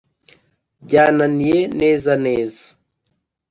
byananiye neza neza